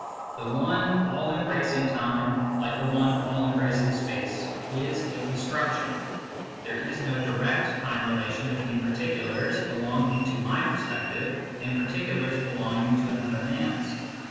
The one all embracing time, like the one all embracing space, is a construction ; there is no direct time relation between particulars belonging to my per spective and particulars belonging to another man s.